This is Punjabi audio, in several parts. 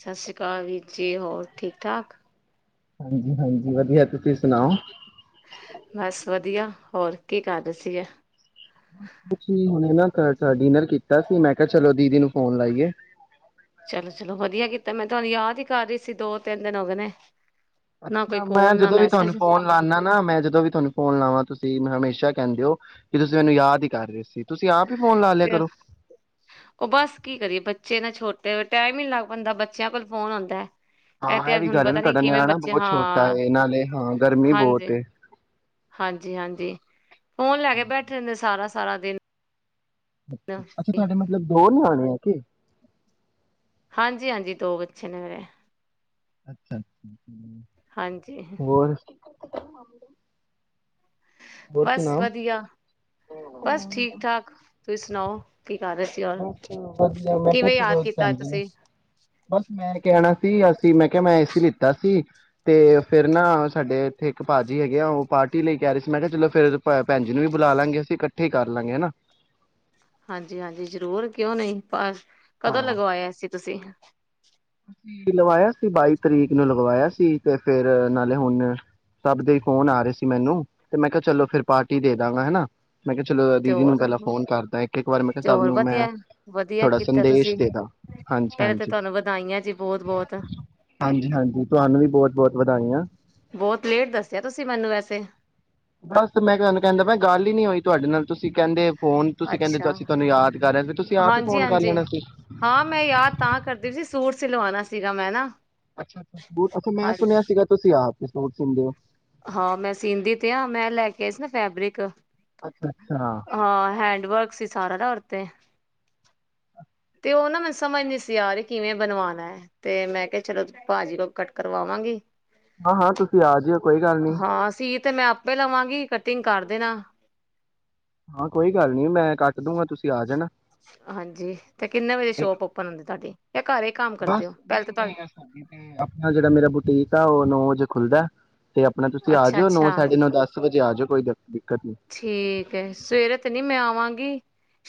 ਸਸੀ ਅਕਾਲ ਜੀ। ਜੀ ਹੋਰ ਠੀਕ -ਠਾਕ ਹਾਂਜੀ - ਹਾਂਜੀ ਵਧੀਆ ਤੁਸੀਂ ਸੁਣਾਓ। ਬਸ ਵਧੀਆ ਹੋਰ ਕੀ ਕਰ ਰਹੇ ਸੀਗੇ? ਕੁਛ ਨੀ ਹੁਣੇ ਨਾ ਟ-ਟ-ਡੀਨਰ ਕੀਤਾ ਸੀ, ਮੈਂ ਕਿਹਾ ਚਲੋ ਦੀਦੀ ਨੂੰ ਫੋਨ ਲਾਈਏ। ਚਲੋ ਚਲੋ ਵਧੀਆ ਕੀਤਾ। ਮੈਂ ਤੁਹਾਨੂੰ ਯਾਦ ਈ ਕਰ ਰਹੀ ਸੀ ਦੋ ਤਿੰਨ ਦਿਨ ਹੋ ਗਏ ਨੇ। ਨਾ ਕੋਈ ਅੱਛਾ, ਮੈਂ ਕੋਲ ਨਾ ਜਦੋਂ ਵੀ ਤੁਹਾਨੂੰ ਮੈਸੇਜ ਫੋਨ ਲਾਨਾ ਨਾ, ਮੈਂ ਜਦੋਂ ਵੀ ਤੁਹਾਨੂੰ ਫੋਨ ਲਾਵਾਂ ਤੁਸੀਂ ਤੇ ਮੈਂ ਹਮੇਸ਼ਾ ਕਹਿੰਦੇ ਓ, ਕਿ ਤੁਸੀਂ ਮੈਨੂੰ ਯਾਦ ਈ ਕਰ ਰਹੇ ਸੀ। ਤੁਸੀਂ ਆਪ ਹੀ ਫੋਨ ਲਾ ਲਿਆ ਤੇ ਕਰੋ ਉਹ ਬਸ ਕੀ ਕਰੀਏ ਬੱਚੇ ਨਾ ਛੋਟ ਤੇ ਟਾਈਮ ਈ ਨੀ ਲੱਗ ਪੋਂਦਾ, ਬੱਚਿਆਂ ਕੋਲ ਫੋਨ ਹੁੰਦੈ। ਇਹ ਹਾਂ ਤੇ ਵੀ ਥੋਨੂੰ ਗੱਲ ਹੈ ਨਾ ਪਤਾ ਨੀ ਤੁਹਾਡਾ ਕਿਵੇਂ ਨਿਆਣਾ ਬੱਚੇ ਬਹੁਤ ਛੋਟਾ ਹਾਂ, ਏ ਨਾਲੇ ਹਾਂ ਗਰਮੀ ਬਹੁਤ ਹਾਂਜੀ। ਏ ਹਾਂਜੀ ਹਾਂਜੀ। ਫੋਨ ਲੈ ਕੇ ਬੈਠੇ ਰਹਿੰਦੇ ਨੇ ਸਾਰਾ ਸਾਰਾ ਦਿਨ ਅੱਛਾ ਤੁਹਾਡੇ ਮਤਲਬ ਦੋ ਨਿਆਣੇ ਹੁਂ ਹਾਂਜੀ-ਹਾਂਜੀ ਦੋ ਬੱਚੇ ਨੇ ਮੇਰੇ [inaudible] ਹਾਂਜੀ [inaudible] ਹੋਰ ਬਸ ਸੁਣਾਓ ਵਧੀਆ ਬਸ ਠੀਕ-ਠਾਕ ਤੁਸੀਂ ਸੁਣਾਓ ਕੀ ਕਰ ਰਹੇ ਸੀ ਔਰ ਕਿਵੇਂ ਯਾਦ ਕੀਤਾ ਅੱਜ ਤੁਸੀਂ [unintelligible] ਬਸ ਮੈਂ ਕਹਿਣਾ ਸੀ ਅਸੀਂ ਮੈਂ ਕਿਹਾ ਮੈਂ ਏਸੀ ਲਿੱਤਾ ਸੀ ਤੇ ਫਿਰ ਨਾ ਸਾਡੇ ਇੱਥੇ ਇੱਕ ਭਾਜੀ ਹੈਗੇ ਆ ਉਹ ਪਾਰਟੀ ਲਈ ਕਹਿ ਰਹੇ ਸੀ ਮੈਂ ਕਿਹਾ ਚਲੋ ਫਿਰ ਭੈਣਜੀ ਨੂੰ ਵੀ ਬੁਲਾ ਲਾਂਗੇ ਅਸੀਂ ਇਕੱਠੇ ਕਰ ਲਾਂਗੇ ਹੈਨਾ। ਹਾਂਜੀ-ਹਾਂਜੀ ਜਰੂਰ ਕਿਉਂ ਨਹੀਂ ਪਾਸ ਕਦੋ ਹਾਂ, ਲਗਵਾਇਆ ਏਸੀ ਤੁਸੀਂ [inaudible] ਲਵਾਇਆ ਸੀ ਬਾਈ ਤਰੀਕ ਨੂੰ ਲਗਵਾਇਆ ਸੀ ਤੇ ਫਿਰ ਨਾਲੇ ਹੁਣ ਸਭ ਦੇ ਫੋਨ ਆ ਰਹੇ ਸੀ ਮੈਨੂੰ ਤੇ ਮੈਂ ਕਿਹਾ ਚਲੋ ਫਿਰ ਪਾਰਟੀ ਦੇ ਦਾਂਗਾ ਹੈਨਾ। ਮੈਂ ਕਿਹਾ ਚਲੋ ਤੇ ਦੀਦੀ ਹੋਰ ਨੂੰ ਪਹਿਲਾਂ ਫੋਨ ਕਰਦਾ ਇੱਕ-ਇੱਕ ਵਾਰ ਤੇ ਸਬ ਹੋਰ ਨੂੰ ਮੈਂ ਵਧੀਆ ਵਧੀਆ ਤੁਹਾਡਾ ਕੀਤਾ ਤੁਸੀਂ ਸੰਦੇਸ਼ ਦੇ ਦਾਂ ਪਹਿਲਾਂ ਤਾਂ ਹਾਂਜੀ-ਹਾਂਜੀ ਤੁਹਾਨੂੰ ਵਧਾਈਆਂ ਜੀ ਤੁਹਾਨੂੰ ਵੀ ਬਹੁਤ ਬਹੁਤ ਵਧਾਈਆਂ ਬਹੁਤ-ਬਹੁਤ-ਬਹੁਤ ਲੇਟ ਦੱਸਿਆ ਤੁਸੀਂ ਮੈਨੂੰ ਵੈਸੇ ਬੱਸ ਤੇ ਮੈਂ ਤੁਹਾਨੂੰ ਕਹਿੰਦਾ ਪਯਾਂ ਗੱਲ ਹੀ ਨਹੀਂ ਹੋਈ ਤੁਹਾਡੇ ਨਾਲ ਤੁਸੀਂ ਕਹਿੰਦੇ ਹੁਣ ਤੁਸੀਂ ਕਹਿੰਦੇ ਅੱਛਾ ਅਸੀਂ ਤੁਹਾਨੂੰ ਯਾਦ ਕਰ ਰਹੇ ਸੀ ਤੁਸੀਂ ਆਪ ਹੀ ਫੋਨ ਕਰ ਹਾਂਜੀ-ਹਾਂਜੀ ਲੈਣਾ ਸੀ ਹਾਂ ਮੈਂ ਯਾਦ ਤਾਂ ਕਰਦੀ ਸੀ ਸੂਟ ਸਿਲਵਾਣਾ ਸੀਗਾ ਮੈਂ ਨਾ ਅੱਛਾ [unintelligible] ਮੈਂ ਹਾਂਜੀ ਸੁਣਿਆ ਸੀਗਾ ਤੁਸੀਂ ਆਪ ਸੂਟ ਸੀਂਦੇ ਹੋ ਹਾਂ ਮੈਂ ਸੀਂਦੀ ਤੇ ਆ ਮੈਂ ਲੈਕੇ ਆਈ ਸੀ ਨਾ ਫੈਬਰਿਕ ਅੱਛਾ ਅੱਛਾ ਹਾਂ ਹੈਂਡ ਵਰਕ ਸੀ ਸਾਰਾ ਨਾ ਉਦੇ ਤੇ ਤੇ ਉਹਨਾਂ ਮੈਂ ਸਮਝ ਨਹੀਂ ਸੀ ਆ ਰਹੀ ਕਿਵੇਂ ਬਣਵਾਉਣਾ ਤੇ ਮੈਂ ਕਿਹਾ ਚਲੋ ਭਾਜੀ ਕੋਲੋ ਕੱਟ ਕਰਵਾਵਾਂਗੀ ਹਾਂ ਹਾਂ ਤੁਸੀਂ ਆ ਜਾਇਓ ਕੋਈ ਗੱਲ ਨਹੀਂ ਹਾਂ ਸੀ ਤੇ ਮੈਂ ਆਪੇ ਲਵਾਂਗੀ ਕਟਿੰਗ ਕਰ ਦੇਣਾ ਹਾਂ ਕੋਈ ਗੱਲ ਨਹੀਂ ਮੈਂ ਕੱਟ ਦੂਂਗਾ ਤੁਸੀਂ ਆ ਜਾਣਾ ਹਾਂਜੀ ਤੇ ਕਿੰਨੇ ਵਜੇ ਇੱਕ- ਸ਼ੋਪ ਔਪਨ ਹੋਦੀਂ ਏ ਤੁਹਾਡੀ ਘਰ ਹੀ ਕੰਮ ਬਸ ਕਰਦੇ ਹੋ ਪਹਿਲੇ ਨਹੀਂ ਤਾਂ ਤੁਹਾਡੇ ਨਹੀਂ ਆਪਣਾ ਜਿਹੜਾ ਮੇਰਾ ਬੁਟੀਕ ਆ ਉਹ ਨੌ ਵਜੇ ਖੁੱਲਦਾ ਤੇ ਆਪਣੇ ਤੁਸੀਂ ਆ ਅੱਛਾ ਜਾਓ ਨੋ ਅੱਛਾ ਸਾਢੇ ਨੋ ਦਸ ਵਜੇ ਆ ਜਾਓ ਕੋਈ ਗਲ ਠੀਕ ਹ ਸਵੇਰੇ ਤੇ ਨਹੀਂ ਮੈਂ ਆਵਾਂ ਗੀਂ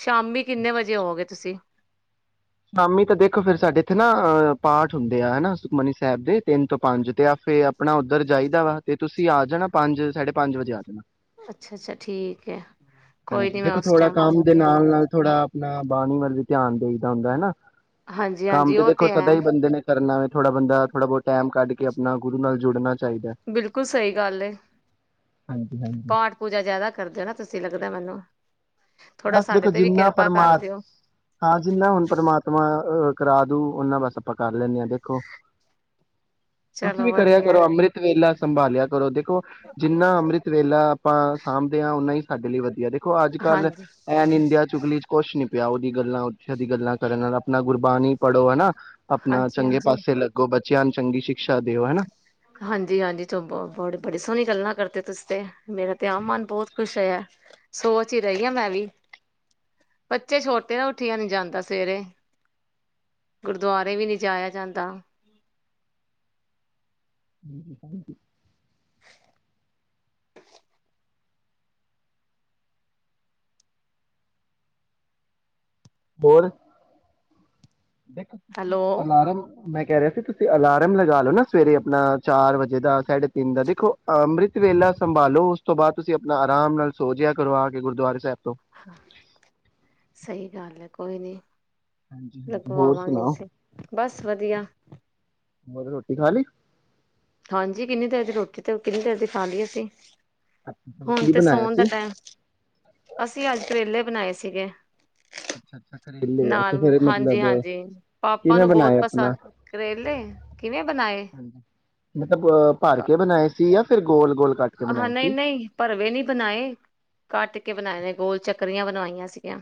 ਸ਼ਾਮੀ ਕਿੰਨੇ ਵਜੇ ਹੋਵੋਗੇ ਤੁਸੀਂ ਸ਼ਾਮੀ ਤਾਂ ਦੇਖੋ ਫਿਰ ਸਾਡੇ ਇੱਥੇ ਨਾਂ ਪਾਠ ਹੁੰਦੇ ਆ ਹੈਨਾ ਸੁਖਮਨੀ ਸ ਕਰਦੇ ਤਿੰਨ ਤੋਂ ਪੰਜ ਤਾਂ ਫੇਰ ਆਪਣਾ ਉਧਰ ਜਾਈਦਾ ਵਾ ਤੇ ਤੁਸੀਂ ਆ ਜਾਣਾ ਪੰਜ ਸਾਢੇ ਪੰਜ ਵੱਜੇ ਆ ਜਾਣਾ। ਅੱਛਾ ਅੱਛਾ, ਠੀਕ ਐ ਕੋਈ ਹਾਂਜੀ ਨੀ ਮੈਂ ਉਸ ਟਾਈਮ ਆਜਾਗੀ। ਨਾ ਬਾਣੀ ਵੱਲ ਈ ਧਿਆਨ ਦਈ। ਹੁੰਦਾ ਨਾ। ਹਾਂਜੀ ਕੰਮ ਹਾਂਜੀ ਤੇ ਉਹ ਦੇਖੋ ਸਦਾ ਹੈ ਹੀ ਬੰਦੇ ਨੇ ਕਰਨਾ। ਥੋੜਾ ਬੰਦਾ ਥੋੜਾ ਬਹੁਤ ਟੈਮ ਕੱਢ ਕੇ ਆਪਣਾ ਗੁਰੂ ਨਾਲ ਜੁੜਨਾ ਚਾਹੀਦਾ। ਬਿਲਕੁਲ ਸਹੀ ਗੱਲ ਏ ਹਾਂਜੀ ਹਾਂਜੀ ਪਾਠ ਪੂਜਾ ਜਿਆਦਾ ਕਰ ਦਿਓ ਨਾ ਤੁਸੀਂ ਲੱਗਦਾ ਮੈਨੂੰ। ਥੋੜਾ ਬਸ ਸਾਡੇ ਦੇਖੋ, ਤੇ ਵੀ ਜਿੰਨਾ ਕਿਰਪਾ ਕਰ ਪਰਮਾ ਦਿਓ ਤਾ ਜਿੰਨਾ ਹੁਣ ਪਰਮਾਤਮਾ ਅ ਕਰਾਦੂ ਉਨਾਂ ਬਸ ਆਪਾਂ ਕਰ ਲੈਣੇ ਆ ਦੇਖੋ। ਤੁਸੀਂ ਚਲੋ ਵੀ ਕਰਿਆ ਵਧੀਆ ਕਰੋ ਅੰਮ੍ਰਿਤ ਵੇਲਾ। ਸੰਭਾਲਿਆ ਕਰੋ, ਤੇ [unintelligible] ਜਿੰਨਾ ਅੰਮ੍ਰਿਤ ਵੇਲਾ ਆਪਾਂ ਸਾਂਭਦੇ ਆਂ ਉਨਾ ਹੀ। ਅਗਲੀ ਵਾਰੀ ਦੇਖੋ ਅੱਜ ਕੱਲ ਹਾਂਜੀ ਐ ਨਿੰਦਿਆਂ ਚੁਗਲੀ ਕੁਛ ਨਹੀਂ ਪਿਆ ਉਹਦੀ ਗੱਲਾਂ ਉੱਥੇ ਦੀ ਗੱਲਾਂ ਕਰਨ ਨਾਲ ਆਪਣਾ ਗੁਰਬਾਣੀ ਪੜੋ ਹਨਾ। ਆਪਣਾ ਹਾਂਜੀ ਚੰਗੇ ਹਾਂਜੀ ਪਾਸੇ ਲੱਗੋ ਬ ਬੱਚਿਆਂ ਨੂੰ ਚੰਗੀ ਸ਼ਿਕਸ਼ਾ ਦਿਓ ਹਨਾ। ਹਾਂਜੀ ਹਾਂਜੀ, ਤੂੰ ਬਹੁਤ ਬੜੀ ਸੋਹਣੀ ਗੱਲਾ ਕਰਦੇ ਤੁਸੀਂ ਤੇ। ਮੇਰੇ ਤੇ ਆਪ ਮਨ ਬਹੁਤ ਖੁਸ਼ [unintelligible] ਸੋਚ ਹੀ ਰਹਿ ਆ ਮੈਂ ਵੀ ਬੱਚੇ ਛੋਟੇ ਆ ਉੱਠੀਆਂ ਨਹੀਂ ਜਾਂਦਾ ਸਵੇਰੇ ਗੁਰਦੁਆਰੇ ਵੀ ਨਹੀਂ ਜਾਇਆ ਜਾਂਦਾ। [unintelligible] ਹੋਰ, ਇਕ ਹੈਲੋ ਅਲਾਰਮ, ਮੈਂ ਕਹਿ ਰਿਹਾ ਸੀ, ਕਿ ਤੁਸੀਂ ਅਲਾਰਮ ਲਗਾ ਲਓ ਨਾ ਸਵੇਰੇ ਆਪਣਾ ਚਾਰ ਵੱਜੇ ਦਾ ਸਾਢੇ ਤਿੰਨ ਦਾ ਦੇਖੋ, ਅੰਮ੍ਰਿਤ ਵੇਲਾ ਸੰਭਾਲੋ ਉਸ ਤੋਂ ਬਾਅਦ ਤੁਸੀਂ ਆਪਣਾ ਆਰਾਮ ਨਾਲ ਸੋਜਿਆ ਕਰੋ, ਆਕੇ ਗੁਰਦੁਆਰੇ ਸਾਹਿਬ ਤੋਂ ਸਹੀ ਗੱਲ ਹੈ। ਕੋਈ ਨੀ, ਹੋਰ ਲਗਵਾਵਾਗੇ ਸੁਣਾਓ ਅਸੀਂ ਬਸ ਵਧੀਆ। ਹੋਰ ਰੋਟੀ ਖਾ ਲੀ। ਹਾਂਜੀ, ਕਿੰਨੀ ਦੇਰ ਦੀ ਰੋਟੀ ਤੇ ਕਿੰਨੀ ਦੇਰ ਦੀ ਖਾ ਲੀ ਅਸੀਂ। ਹੁਣ ਕੀ ਤੇ ਬਣਾਇਆ ਸੋਣ ਦਾ ਸੀ ਟੈਮ ਅਸੀ ਐਸ ਵੇਲੇ ਬਣਾਏ ਸੀਗੇ। ਅੱਛਾ। ਕਰੇਲੇ ਆ ਨਾਲ ਮਤਲਬ ਹਾਂਜੀ-ਹਾਂਜੀ ਪਾਪਾ ਕਿਵੇਂ ਨੂੰ ਬਹੁਤ ਬਣਾਏ ਆਪਣਾ ਪਸੰਦ ਕਰੇਲੇ ਕਿਵੇਂ ਬਣਾਏ ਭਰ ਕੇ ਬਣਾਏ ਸੀ, ਜਾ ਫਿਰ ਗੋਲ ਗੋਲ ਕੱਟ ਕੇ ਬਣਾਏ ਨਹੀ ਸੀ ਨਹੀ ਭਰਵੇਂ ਨੀ ਬਣਾਏ, ਕੱਟ ਕੇ ਬਣਾਏ ਗੋਲ ਚਕਰੀਆ ਬਣਵਾਇਆ ਸੀਗੀਆ।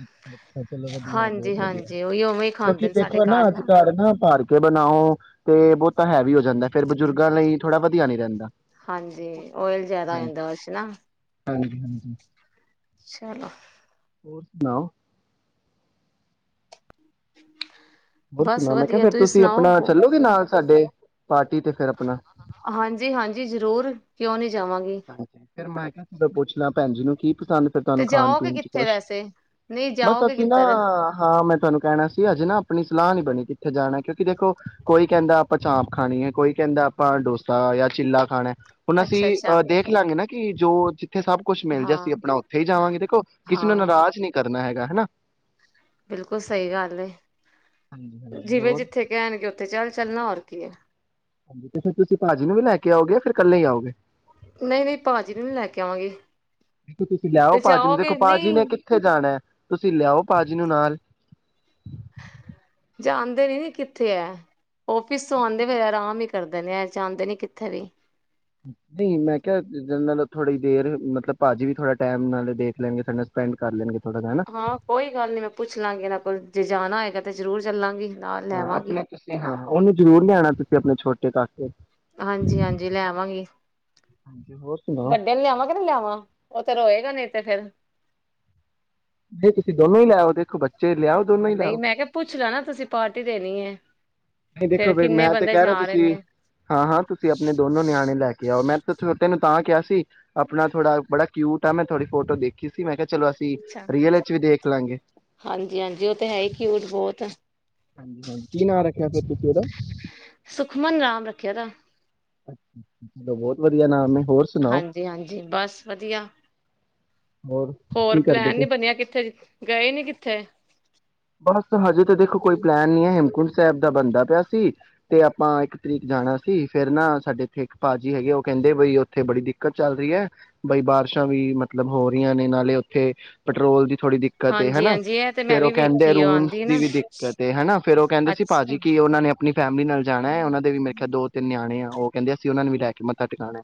ਹਾਂਜੀ ਹਾਂਜੀ ਬਹੁਤ ਬਹੁਤ ਵਧੀਆ ਹਾਂਜੀ-ਹਾਂਜੀ ਉਹੀ ਉਵੇਂ ਹੀ ਕਿਉਂਕਿ ਖਾਂਦੇ ਨੇ ਸਾਡੇ ਦੇਖੋ ਨਾ ਘਰ ਅਸੀ ਕਰਦੇ ਆ ਨਾ ਭਰਕੇ ਬਣਾਉ ਤੇ ਬਹੁਤ ਪਤਾ ਹੈਵੀ ਹੋ ਜਾਂਦਾ ਇਹ ਫਿਰ ਬਜੁਰਗਾ ਲਈ ਥੋੜਾ ਵਧੀਆ ਨਹੀਂ ਰਹਿੰਦਾ ਹਾਂਜੀ ਉਹੀ ਜਿਆਦਾ ਹਾਂਜੀ ਇੰਦੋਸ਼ ਨਾ ਹਾਂਜੀ ਚਲੋ। ਹਮ ਨਾ ਹੋਰ ਬਸ ਸੁਣਾ ਮੈਂ ਕਿਹਾ ਵਧੀਆ ਫੇਰ ਤੁਸੀਂ ਤੁਸੀ ਆਪਣਾ ਸੁਣਾਓ ਚੱਲੋਗੇ ਨਾਲ ਸਾਡੇ ਪਾਰਟੀ ਤੇ ਫਿਰ ਆਪਣਾ ਕਿਉ ਨੀ ਜਾਵਾਂਗੀ ਹਾਂਜੀ ਫੇਰ ਮੈ ਕਿਆ ਮੈਂ ਪੁੱਛ ਲਾ ਭੈਣ ਜੀ ਨੁੰ ਕੀ ਪਸੰਦ ਤੇ ਤੁਹਾਨੂੰ ਖਾਣ ਪੀਣ ਜਾਓਗੇ ਵਿੱਚ ਕਿੱਥੇ ਕੁਛ ਵੈਸੇ ਨਹੀਂ ਬਸ ਜਾਓਗੇ ਅਸੀ ਨਾ ਕਿੱਧਰ ਹਾ ਮੈਂ ਤੁਹਾਨੂੰ ਕਹਿਣਾ ਸੀ ਹਜੇ ਨਾ ਆਪਣੀ ਸਲਾਹ ਨੀ ਬਣੀ ਕਿਥੇ ਜਾਣਾ ਕਿਉਂਕਿ ਕੋਈ ਕਹਿੰਦਾ ਆਪਾ ਚਾਪ ਖਾਣੀ ਐ ਕੋਈ ਕਹਿੰਦਾ ਆਪਾ ਡੋਸਾ ਜਾ ਚਿਲਾ ਖਾਣਾ ਐ। ਹੁਣ ਅਸੀ ਅੱਛਾ-ਅੱਛਾ ਅ ਦੇਖਲਾਗੇ ਕਿ ਜੋ ਜਿੱਥੇ ਸਭ ਕੁਛ ਮਿਲਜੇ, ਅਸੀ ਆਪਣਾ ਉੱਥੇ ਵੀ ਜਾਵਾਂਗੇ, ਦੇਖੋ ਕਿਸੀ ਨੁੰ ਹਾਂ-ਹਾਂ ਨਰਾਜ ਨੀ ਕਰਨਾ ਹੈਗਾ। ਹਨਾਂ। ਬਿਲਕੁਲ ਸਹੀ ਗੱਲ ਐ ਹਾਂਜੀ ਹਾਂਜੀ ਜਿਵੇਂ ਹੋਰ ਜਿੱਥੇ ਕਹਿਣਗੇ। ਲੇ ਚਲਨਾ ਹੋਰ ਕਿ ਐ ਅੱਛਾ ਤੇ ਤੁਸੀ ਭਾਜੀ ਨੂੰ ਵੀ ਲੈਕੇ ਆਉਗੇ ਜਾਂ ਫਿਰ ਇਕੱਲੇ ਆਉਗੇ। ਨਹੀ ਨਹੀ ਭਾਜੀ ਨੂੰ ਨਹੀ ਲੈਕੇ ਆਵਾਗੇ ਦੇਖੋ ਤੁਸੀਂ ਲਿਆਓ ਤੇ ਜਾਉਗੇ ਨਹੀ ਤੁਸੀ ਲਿਆਉ ਭਾਜੀ ਨੂੰ ਨਾਲ ਜਾਣਦੇ ਨੀ ਕਿੱਥੇ ਐ? ਔਫੀਸ ਤੋ ਆਉਦੇ ਵਗੈਰਾ ਵੀ ਕਰਦੇ ਨੇ ਜਾਦੇ ਨੇ ਕਿੱਥੇ ਦੀ ਨੀ, ਮੈਂ ਕਿਹਾ ਮਤਲਬ ਥੋੜੀ ਦੇਰ, ਮਤਲਬ ਭਾਜੀ ਵੀ ਥੋੜਾ ਟਾਈਮ, ਨਾਲੇ ਦੇਖ ਲੈਣਗੇ। ਸਾਡੇ ਨਾਲ ਸਪੈਂਡ ਕਰ ਲੈਣਗੇ। ਥੋੜ੍ਹਾ ਜਿਹਾ ਹਨਾ ਹਾਂ ਕੋਈ ਗੱਲ ਨੀ ਮੈਂ ਪੁੱਛ ਲਾ ਗੀ ਇਹਨਾ ਕੋਲ ਜੇ ਜਾਣਾ ਹੋਏਗਾ ਤਾਂ ਜਰੂਰ ਚਲਾਂਗੀ। ਆਪਣੇ ਪਿੱਛੇ ਹਾਂ। ਉਹਨੂੰ ਜ਼ਰੂਰੀ ਲੇਹ ਆਉਣਾ ਕਿਤੇ ਆਪਣੇ ਛੋਟੇ ਕਾਕੇ ਹਾਂਜੀ-ਹਾਂਜੀ ਲੈਵਾਂਗੀ ਹਾਂਜੀ ਹੋਰ ਸੁਣਾਓ ਵੱਡੇ ਨੂੰ ਲਿਆਵਾਂ ਕਿ ਨਾ ਲਿਆਵਾਂ। ਉਹ ਤਾਂ ਰੋਏ ਨਹੀ ਤਾਂ ਫਿਰ ਜੇ ਕਿਤੇ ਦੋਵੇਂ ਹੀ ਲੇਹ ਆਯੋ ਦੇਖੋ ਬੱਚੇ ਲਿਆਓ ਦੋਨੋਂ ਹੀ ਨਹੀਂ, ਲੈਓ ਮੈਂ ਕਿਹਾ, ਪੁੱਛ ਲਾ ਨਾ ਕਿ ਤੁਸੀਂ ਪਾਰਟੀ ਦੇਣੀ ਏ। ਦੇਖੋ ਭਈ ਮੈਂ ਤੇ ਕਹਿ ਹਿਹਾ ਤੁਸੀਂ, ਹਾਂ - ਹਾਂ ਤੁਸੀਂ ਆਪਣੇ ਦੋਵੇਂ ਨਿਆਣੇਂ ਦੇ ਕੇ ਆਉ ਮੈਂ ਤੇ ਛੋਟੇ ਨੂੰ ਤਾਂ ਕਿਹਾ ਸੀ। ਆਪਣਾ ਥੋਡਾ ਬੜਾ ਕਿਯੂਟ ਆ ਮੈਂ ਤੁਹਾਡੀ ਦੇਖੀ ਸੀ ਮੈਂ ਕਿਹਾ ਚਲੋ ਅਸੀਂ ਅੱਛਾ ਰੀਅਲ ਵਿੱਚ ਵੀ ਦੇਖ ਲਾਂਗੇ ਹਾਂਜੀ ਹਾਂਜੀ ਉਹ ਤੇ ਹੈ ਹੀ ਕਿਯੂਟ ਬੋਤ ਕਿ ਨਾਂ ਰੱਖ [unintelligible] ਸੁਖਮਨ ਨਾਮ ਰੱਖਿਆ ਏਦਾ। ਤੇ ਬਹੁਤ ਵਧੀਆ ਨਾਮ ਏ ਹਾਂਜੀ ਹਾਂਜੀ ਬਸ ਵਧੀਆ ਹੋਰ ਕੀ ਕਰਦੇ ਪਲੈਣ ਪਏ ਨਹੀਂ ਬਣਿਆ ਕਿੱਥੇ ਗਏ ਨਹੀਂ ਕਿੱਥੇ ਹਜੇ ਤੇ ਦੇਖੋ ਕੋਈ ਪਲੇਨ ਨਹੀਂ ਹੇਮਕੁੰਟ ਸਾਹਿਬ ਦਾ ਬਣਦਾ ਪਿਆ ਸੀ ਤੇ ਆਪਾਂ ਇੱਕ ਤਰੀਕ ਜਾਣਾ ਸੀ ਫਿਰ ਨਾ ਸਾਡੇ ਇੱਥੇ ਇੱਕ ਪਾਜੀ ਹੈਗੇ ਉਹ ਕਹਿੰਦੇ ਬਈ ਉੱਥੇ ਬੜੀ ਦਿੱਕਤ ਚੱਲ ਰਹੀ ਹੈ ਬਈ ਬਾਰਿਸ਼ਾਂ ਵੀ ਮਤਲਬ ਹੋ ਰਹੀਆਂ ਨੇ ਨਾਲੇ ਉੱਥੇ ਪੈਟਰੋਲ ਦੀ ਹਾਂਜੀ ਹਾਂਜੀ ਇਹ ਤੇ ਮੈਂ ਵੀ ਵੇਖ ਦੇ ਰੂਮ ਦੀ ਵੀ ਦਿੱਕਤ ਹ ਨਾ ਫਿਰ ਉਹ ਕਹਿੰਦੇ ਸੀ ਅੱਛਾ ਭਾਜੀ ਕੀ ਉਹਨਾਂ ਨੇ ਆਪਣੀ ਫੈਮਲੀ ਨਾਲ ਜਾਣਾ ਉਹਨਾਂ ਦੇ ਵੀ ਮੇਰੇ ਖਿਆਲ ਦੋ ਤਿੰਨ ਨਿਆਣੇ ਨੇ ਬਣਿਆ ਉਹ ਕਹਿੰਦੇ ਅਸੀਂ ਉਹਨਾਂ ਨੂੰ ਵੀ ਲੈ ਕੇ ਮੱਥਾ ਟਿਕਾਣਾ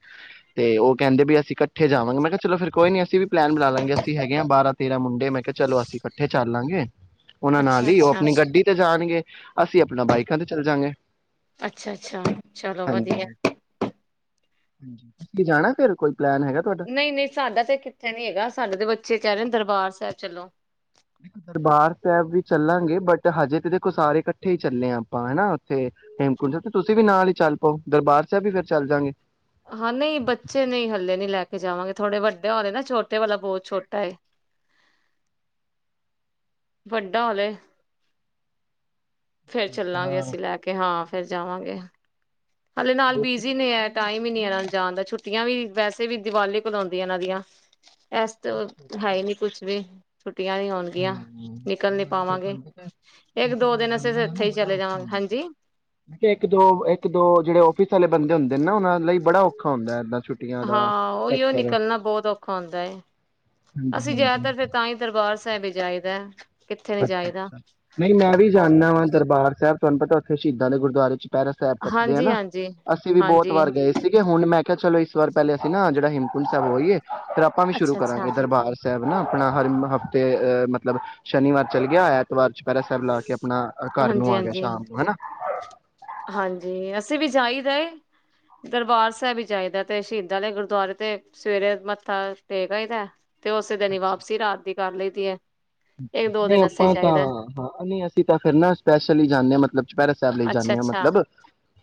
ਤੇ ਉਹ ਕਹਿੰਦੇ ਵੀ ਅਸੀਂ ਇਕੱਠੇ ਜਾਵਾਂਗੇ ਮੈਂ ਕਿਹਾ ਚਲੋ ਫਿਰ ਕੋਈ ਨਹੀਂ ਅਸੀਂ ਵੀ ਪਲੈਨ ਬਣਾ ਲਾਂਗੇ ਅਸੀਂ ਹੈਗੇ ਆ ਬਾਹਰਾਂ। ਤੇਰਾ ਮੁੰਡੇ ਮੈਂ ਕਿਹਾ ਚਲੋ ਅਸੀਂ ਇਕੱਠੇ ਚੱਲਾਂਗੇ ਉਹਨਾਂ ਨਾਲ ਅੱਛਾ ਹੀ ਉਹ ਅੱਛਾ ਆਪਣੀ ਗੱਡੀ ਤੇ ਜਾਣਗੇ ਅਸੀਂ ਆਪਣਾ ਬਾਈਕਾ ਤੇ ਚਲ ਜਾਂਗੇ ਅੱਛਾ ਅੱਛਾ ਚਲੋ ਹਾਂਜੀ ਵਧੀਆ ਜਾਣਾ ਤੇਰੇ ਕੋਲ ਨਹੀਂ ਨਹੀਂ ਸਾਡਾ ਤੇ ਕਿੱਥੇ ਨਹੀਂ ਹੈਗਾ ਸਾਡੇ ਤੇ ਬੱਚੇ ਕਹਿ ਰਹੇ ਨੇ ਦਰਬਾਰ ਸ ਸ ਚਲੋ ਦਰਬਾਰ ਸਾਹਿਬ ਵੀ ਚੱਲਾਂਗੇ ਬਟ ਹਜੇ ਤੇ ਕੁ ਸਾਰੇ ਇਕੱਠੇ ਚੱਲੇ ਆ ਆਪਾਂ ਹਨਾ ਉਥੇ ਹੇਮਕੁੰਟ ਤੁਸੀਂ ਵੀ ਨਾਲ ਹੀ ਚੱਲ ਪਓ, ਦਰਬਾਰ ਸਾਹਿਬ ਵੀ ਫਿਰ ਚੱਲ ਜਾਂਗੇ। ਹਾਂ ਨਹੀਂ ਬੱਚੇ ਨਹੀਂ ਹੱਲੇ ਨਹੀਂ ਲੈ ਕੇ ਜਾਵਾਂਗੇ ਥੋੜੇ ਵੱਡੇ ਹੋ ਰਹੇ ਨਾ ਛੋਟੇ ਵਾਲਾ ਬਹੁਤ ਛੋਟਾ ਹੈ ਵੱਡਾ ਹੋਲੇ। ਫਿਰ ਚੱਲਾਂਗੇ ਹਾਂ ਅਸੀਂ ਲੈ ਕੇ ਹਾਂ ਫਿਰ ਜਾਵਾਂਗੇ ਹਲੇ ਨਾਲ ਬਿਜੀ ਨੇ ਏਹ ਟਾਈਮ [unintelligible] ਜਾਣ ਦਾ ਛੁੱਟੀਆਂ ਵੀ ਵੈਸੇ ਵੀ ਦੀਵਾਲੀ ਕੋਲ ਆਉਂਦੀ ਇਹਨਾਂ ਦੀਆਂ ਐਸ ਅੱਛਾ ਹੈ ਨਹੀਂ ਕੁਛ ਵੀ ਛੁੱਟੀਆਂ ਨਹੀਂ ਹੋਣਗੀਆਂ ਨਿਕਲ ਹਾਂ ਨੀ ਨਾਲੇ ਫਿਰ ਪਾਵਾਂਗੇ, ਤੁਹਾਨੂੰ ਪਤਾ ਇਕ ਆਫਿਸ ਦੋ ਵਾਲੇ ਦਿਨ ਅਸੀਂ ਬੰਦਿਆਂ ਦਾ ਇੱਥੇ ਨਾ ਹੀ ਬੜਾ ਚਲੇ ਔਖਾ ਜਾਵਾਂਗੇ ਹਾਂਜੀ ਉਹ ਜਿਹੜੇ ਆਫਿਸ ਵਾਲੇ ਬੰਦੇ ਹੁੰਦੇ ਨਾ ਉਹਨਾਂ ਲਈ ਬੜਾ ਔਖਾ ਹੁੰਦਾ ਏਦਾ। ਹਾਂ ਉਹੀ ਉਹ ਨਿਕਲਣਾ ਬਹੁਤ ਔਖਾ ਹੁੰਦਾ ਹੈ ਹਾਂਜੀ ਅਸੀਂ ਹਾਂਜੀ ਜਿਆਦਾਤਰ ਫਿਰ ਤਾਂ ਹੀ ਦਰਬਾਰ ਸਾਹਿਬ ਜਾਏਗਾ। ਨਹੀਂ ਮੈਂ ਵੀ ਹੋਰ ਜਾਨਾ ਵਾ ਦਰਬਾਰ ਸਾਹਿਬ। ਤੁਹਾਨੂੰ ਪਤਾ ਉੱਥੇ ਸ਼ਹੀਦਾਂ ਦੇ ਗੁਰਦੁਆਰੇ ਚ ਚੁਪਹਿਰਾ ਸਾਹਿਬ ਕੱਟ ਦੇ ਆ ਹਾਂਜੀ ਨਾ ਹਾਂਜੀ ਅਸੀ ਵੀ ਬਹੁਤ ਹਾਂਜੀ ਵਾਰ ਗਏ ਸੀਗੇ ਹੁਣ ਮੈਂ ਚਲੋ, ਇਸ ਵਾਰ ਪਹਿਲੇ ਅਸੀਂ ਨਾ ਜਿਹੜਾ ਹੇਮਕੁੰਡ ਸਾਹਿਬ ਹੋ ਆਈ ਐ। ਆਪਾਂ ਵੀ ਸ਼ੁਰੂ ਅੱਛਾ ਅੱਛਾ ਕਰਾਂਗੇ, ਦਰਬਾਰ ਏ ਵੇਨਾ ਆਪਣਾ ਹਰ ਮ ਹਫਤੇ ਮਤਲਬ ਸ਼ਨੀਵਾਰ ਚਲ ਗਿਆ, ਐਤਵਾਰ ਚੁਪਹਿਰਾ ਸਾਹਿਬ ਲਾ ਕੇ ਨਾ ਨਾ ਘਰ ਨੂੰ ਹਾਂਜੀ ਆ ਗਿਆ ਹਾਂਜੀ ਸ਼ਾਮ ਨੂੰ, ਹਨਾ। ਸੇ ਵੀ ਜਾਈ ਜਾਏ ਦਰਬਾਰ ਸਾਹਿਬ ਵਿਚ ਜਾਇਦਾਤ ਸ਼ਹੀਦਾਂ ਨੇ ਗੁਰਦੁਆਰੇ ਤੇ ਸਵੇਰੇ ਮੱਥਾ ਟੇਕ ਆਈਦਾ ਹੈ ਤੇ ਉਸੇ ਦਿਨ ਹੀ ਅੱਛਾ, ਵਾਪਸੀ ਰਾਤ ਦੀ ਕਰ ਲਈ। ਕੀ ਹ। ਨਹੀਂ ਆਪਾਂ ਤਾਂ, ਹਾਂ ਨਹੀਂ ਅਸੀਂ ਤਾਂ ਫਿਰ ਨਾ ਸਪੈਸ਼ਲ ਹੀ ਜਾਨੇ ਆਂ ਮਤਲਬ ਚੁਪੈਰਾ ਸਾਹਿਬ ਲਈ ਅੱਛਾ ਜਾਂਨੇ ਆਂ ਅੱਛਾ ਮਤਲਬ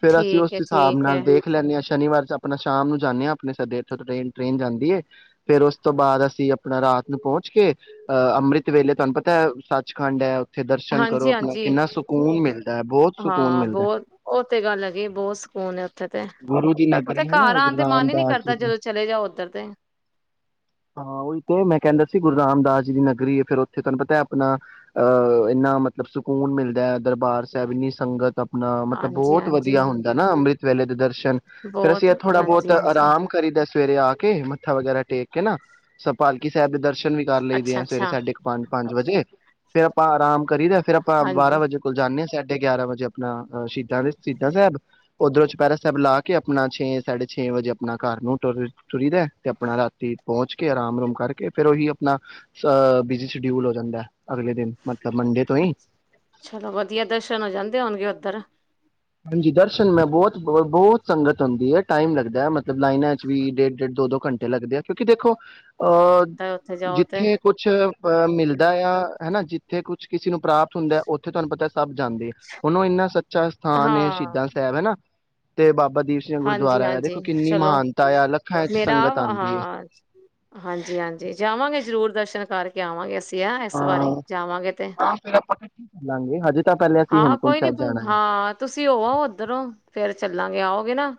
ਫਿਰ ਅਸੀਂ ਠੀਕ ਉਸ ਹੈ ਹਿਸਾਬ ਠੀਕ ਨਾਲ ਹੈ ਦੇਖ ਲੈਨੇ ਆਂ ਸ਼ਨੀਵਾਰ ਆਪਣਾ ਸ਼ਾਮ ਨੂੰ ਧਨੀਆ ਆਪਣੇ ਸਦੇ ਟਰੇਨ ਜਾਂਦੀ ਹ ਫਿਰ ਉਸ ਤੋਂ ਬਾਅਦ ਅਸੀਂ ਆਪਣਾ ਰਾਤ ਨੂੰ ਪਹੁੰਚ ਕੇ ਅੰਮ੍ਰਿਤ ਵੇਲੇ ਤੁਹਾਨੂੰ ਪਤਾ ਸੱਚਖੰਡ ਹੈ ਦਰਸ਼ਨ ਕਰੋ ਹਾਂਜੀ ਆਪਣਾ ਹਾਂਜੀ ਕਿੰਨਾ ਸਕੂਨ ਮਿਲਦਾ ਹੈ ਬਹੁਤ ਸਕੂਨ ਹਾਂ ਮਿਲਦਾ ਹੈ। ਬਹੋਤ ਉਹ ਤੇ ਗੱਲ ਹੈਗੀ ਬਹੁਤ ਸਕੂਨ ਏ ਉਥੇ ਗੁਰੂ ਦੀ ਉਹਦੇ ਨਗਰੀ ਹੈ ਘਰ ਨਾ ਆਂ ਗੁਰੂ ਤੇ ਮਨ ਹੀ ਨਹੀਂ ਰਾਮਦਾਸ ਜੀ ਕਰਦਾ ਦੀ ਜਦੋਂ ਚਲੇ ਜਾਓ ਉਧਰ ਤੇ ਹਾਂ ਉਹੀ ਤੇ ਮੈਂ ਕਹਿੰਦਾ ਸੀ ਗੁਰੂ ਰਾਮਦਾਸ ਜੀ ਦੀ ਨਗਰੀ ਫਿਰ ਉੱਥੇ ਤੁਹਾਨੂੰ ਪਤਾ ਆਪਣਾ ਇਨਾ ਮਤਲਬ ਸਕੂਨ ਮਿਲਦਾ ਦਰਬਾਰ ਸਾਹਿਬ ਇੰਨੀ ਸੰਗਤ ਨਾ ਮਤਲਬ ਹਾਂਜੀ ਬਹੁਤ ਹਾਂਜੀ ਵਧੀਆ ਹੁੰਦਾ ਨਾ ਅੰਮ੍ਰਿਤ ਵੇਲੇ ਦਰਸ਼ਨ ਫਿਰ ਅਸੀਂ ਬਹੁਤ ਇਹ ਥੋੜਾ ਹਾਂਜੀ ਬਹੁਤ ਹਾਂਜੀ ਆਰਾਮ ਕਰੀਦਾ। ਸਵੇਰੇ ਆ ਕੇ ਮੱਥਾ ਵਗੈਰਾ ਟੇਕ ਕੇ ਨਾ ਸਭ ਪਾਲਕੀ ਸਾਹਿਬ ਦੇ ਦਰਸ਼। ਵੀ ਕਰ ਲੈਂਦੇ ਅੱਛਾ ਆ ਸਵੇਰੇ ਅੱਛਾ ਸਾਢੇ ਪੰਜ ਵਜੇ। ਤੇ ਆਪਾਂ ਆਰਾਮ ਹਾਂਜੀ ਗੇ ਗਿਆਰਾਂ ਵਜੇ ਆਪਣਾ ਸ਼ੀ ਦੇ ਸ਼ਹੀਦਾਂ ਸਾਹਿਬ। ਓਹਦੇ ਚ ਪੈਰਸ ਸਭ ਲਾ ਕੇ ਆਪਣਾ ਛੇਂ ਸਾਡੇ ਛੇਂ ਵਜੇ ਆਪਣਾ ਘਰ ਨੂੰ ਤੁਰੀ ਦਾ ਐ। ਤੇ ਆਪਣਾ ਰਾਤੀ ਪਹੁੰਚ ਕੇ ਆਰਾਮ ਰੂਮ ਕਰਕੇ, ਫਿਰ ਉਹੀ ਆਪਣਾ ਅ ਬਿਜ਼ੀ ਸ਼ਡਿਊਲ ਹੋ ਜਾਂਦੈ। ਚਲੋ ਵਧੀਆ ਦਰਸ਼ਨ ਹੋ ਜਾਂਦੇ ਹੋਣਗੇ ਉਧਰ। ਹਾਂਜੀ ਦਰਸ਼ਨ, ਮੈਂ ਬਹੁਤ ਬਹੁਤ ਬਹੁਤ ਸੰਗਤ ਅਉਂਦੀ ਐ, ਟਾਈਮ ਲੱਗਦਾ ਐ ਮਤਲਬ ਲਾਈਨਾਂ ਚ ਵੀ ਡੇਢ ਡੇਢ ਦੋ ਦੋ ਘੰਟੇ ਲੱਗਦੇ ਆ। ਕਿਉਂਕਿ ਦੇਖੋ ਅ ਤਾਂ ਉੱਥੇ ਜਾਓ ਤੇ ਜਿੱਥੇ ਕੁਛ ਅ ਮਿਲਦਾ ਆ। ਹਨਾ ਜਿੱਥੇ ਕੁਛ ਕਿਸੇ ਨੂੰ ਪ੍ਰਾਪਤ ਹੁੰਦਾ ਐ, ਉਥੇ ਤੁਹਾਨੂੰ ਪਤਾ ਐ ਸਭ ਜਾਂਦੇ ਆ ਉਹਨੂੰ ਇਨਾ ਸੱਚਾ ਹਾ ਨੇ ਹਾਂ ਸ਼ਹੀਦਾਂ ਸੈਬ ਐਂ ਨਾਂ। ਤੇ ਬਬ ਹਾਂਜੀ ਹਾਂਜੀ, ਚਲੋ ਆ ਲੱਖਾਂ ਚ ਮੇਰਾ ਸੰਗਤ ਆਉਂਦੀ ਹੈ। ਹਾਂਜੀ ਹਾਂਜੀ, ਜਾਵਾਂਗੇ ਜ਼ਰੂਰ ਦਰਸ਼ਨ ਕਰਕੇ ਆਵਾਂਗੇ ਅਸੀਂ ਤਾਂ ਗਿਆ ਇਸ ਵਾਰੀ ਜਾਵਾਂਗੇ ਤੇ ਲਾਂਘੇ ਹਜੇ ਤਾਂ ਪਹਿਲੇ ਅਸੀਂ ਹਾਂ ਹੇਮਕੁੰਟ ਕੋਈ ਨਈਂ ਸਾਹਿਬ ਜਾਣਾ ਆ ਹਾਂ ਤੁਸੀਂ ਹੋ ਆਓ ਉਧਰੋਂ ਫਿਰ ਚੱਲਾਂਗੇ। ਆਓਗੇ ਨਾਂ।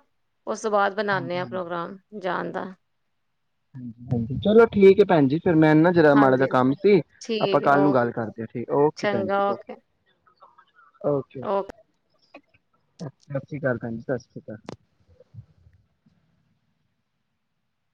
ਉਸ ਤੋਂ ਬਾਅਦ ਬਣਾਣੇ ਆਂ ਪ੍ਰੋਗਰਾਮ ਜਾਨ ਚਲ ਚੱਲੋ। ਠੀਕ ਏ ਭੈਣ ਜੀ ਫਿਰ ਮੈਂ ਨਾ ਜਰਾ ਮਾੜਾ ਜਿਆ ਹਾਂਜੀ ਕੰਮ ਸੀ ਆਪਾਂ ਠੀਕ ਹੈ ਕੱਲ ਨੂੰ ਓ ਗੱਲ ਕਰਦੇ ਸੀ ਓਕੇ ਭੈਣ ਜੀ ਓਕੇ। ਓਕੇ। ਸਤਿ ਸ੍ਰੀ ਅਕਾਲ ਭੈਣਜੀ, ਸਤਿ ਸ਼੍ਰੀ ਅਕਾਲ।